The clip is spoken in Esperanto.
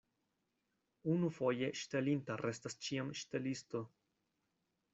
Unufoje ŝtelinta restas ĉiam ŝtelisto.